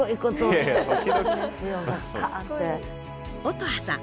乙羽さん